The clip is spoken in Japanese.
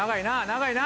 長いな！